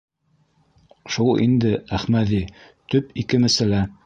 — Шул инде, Әхмәҙи, төп ике мәсьәлә.